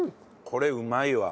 これうまいわ。